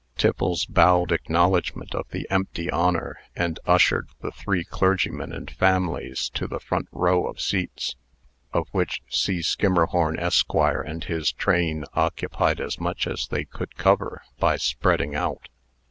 Tiffles bowed acknowledgment of the empty honor, and ushered the three clergymen and families to the front row of seats, of which C. Skimmerhorn, Esq., and his train, occupied as much as they could cover by spreading out.